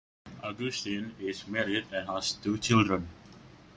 Augustin is married and has two children.